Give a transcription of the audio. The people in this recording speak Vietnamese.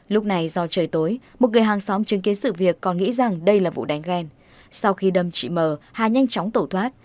lúc này do trời tối một người hàng xóm chứng kiến sự việc còn nghĩ rằng đây là vụ đánh ghen sau khi đâm chị mờ hà nhanh chóng tẩu thoát